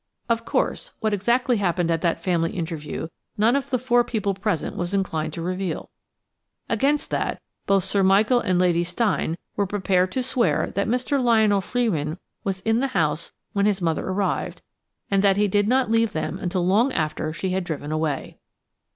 Of course, what exactly happened at that family interview none of the four people present was inclined to reveal. Against that both Sir Michael and Lady Steyne were prepared to swear that Mr. Lionel Frewin was in the house when his mother arrived, and that he did not leave them until long after she had driven away.